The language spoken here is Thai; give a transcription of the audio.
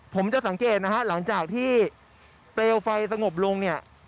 ผมจะสังเกตนะฮะหลังจากที่เปลวไฟสงบลงเนี่ย